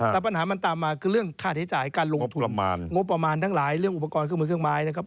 แต่ปัญหามันตามมาคือเรื่องค่าใช้จ่ายการลงทุนงบประมาณทั้งหลายเรื่องอุปกรณ์เครื่องมือเครื่องไม้นะครับ